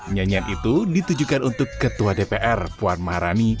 nyanyian itu ditujukan untuk ketua dpr puan maharani